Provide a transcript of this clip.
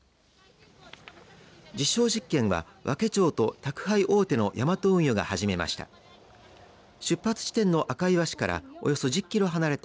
実証実験は、和気町と宅配大手のヤマト運輸が始めました。